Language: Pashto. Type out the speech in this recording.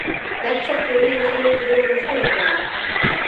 دا کيسه په ټولنيزو رسنيو کې ډېره مشهوره شوه.